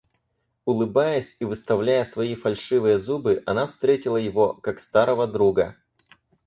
Улыбаясь и выставляя свои фальшивые зубы, она встретила его, как старого друга.